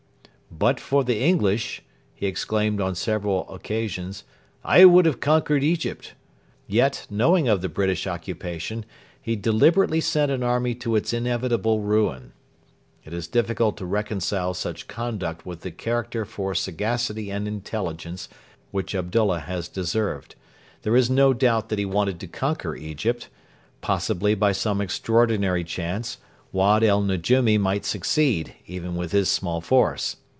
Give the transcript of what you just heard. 'But for the English,' he exclaimed on several occasions, 'I would have conquered Egypt.' Yet, knowing of the British occupation, he deliberately sent an army to its inevitable ruin. It is difficult to reconcile such conduct with the character for sagacity and intelligence which Abdullah has deserved. There is no doubt that he wanted to conquer Egypt. Possibly by some extraordinary chance Wad el Nejumi might succeed, even with his small force.